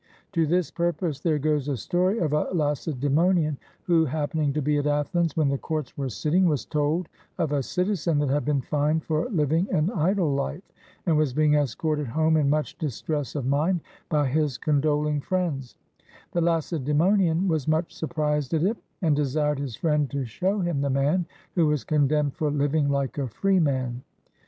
To this purpose there goes a story of a Lacedaemonian who, happening to be at Athens when the courts were sitting, was told of a citizen that had been fined for living an idle life, and was being escorted home in much distress of mind by his condoling friends; the Lacedaemonian was much surprised at it and desired his friend to show him the man who was condemned for living Hke a free man.